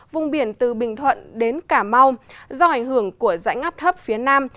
vùng biển từ bình thuận đến cả mau do ảnh hưởng của dãnh áp thấp phía nam